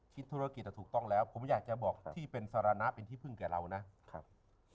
ธุรกิจถูกต้องแล้วผมอยากจะบอกที่เป็นสารณะเป็นที่พึ่งแก่เรานะครับ